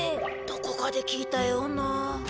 どこかで聞いたような。